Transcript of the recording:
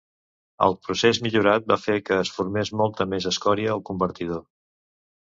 El procés millorat va fer que es formés molta més escòria al convertidor.